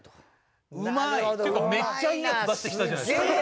なるほどうまいな。っていうかめっちゃいいやつ出してきたじゃないですか。